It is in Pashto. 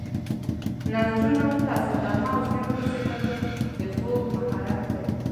نسجونو ته صدمه او زیان رسیدل د خوږ محرک دی.